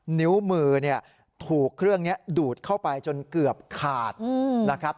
นิ้วมือเนี่ยถูกเครื่องนี้ดูดเข้าไปจนเกือบขาดนะครับ